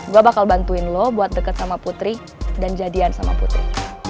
gue bakal bantuin lo buat deket sama putri dan jadian sama putri